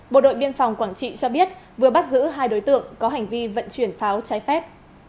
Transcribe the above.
bộ đội biên phòng quảng trị cho biết vừa bắt giữ hai đối tượng có hành vi vận chuyển pháo trái phép